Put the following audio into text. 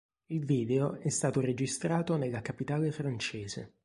Il video è stato registrato nella capitale francese